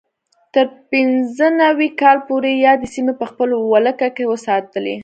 تر پینځه نوي کال پورې یادې سیمې په خپل ولکه کې وساتلې.